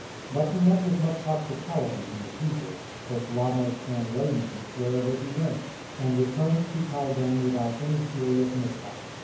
But he met with much hospitality from the people, both lamas and laymen, wherever he went ; and returned to Kalgan without any serious mishap.